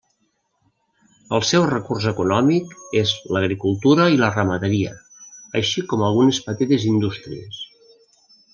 El seu recurs econòmic és l'agricultura i la ramaderia així com algunes petites indústries.